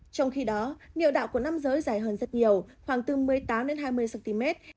trong khi đó nhiều đạo của nam giới dài hơn rất nhiều khoảng từ một mươi tám đến hai mươi cm